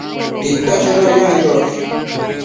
Tita chedobida nidosh?